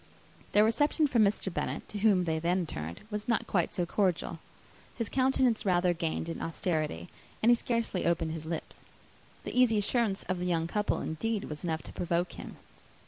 Their reception from Mr. Bennet, to whom they then turned, was not quite so cordial. His countenance rather gained in austerity; and he scarcely opened his lips. The easy assurance of the young couple, indeed, was enough to provoke him.